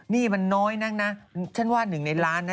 นี่มันน้อยนักนะฉันว่าหนึ่งในล้านนะ